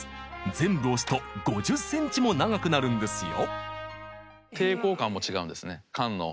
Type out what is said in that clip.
全部押すと５０センチも長くなるんですよ！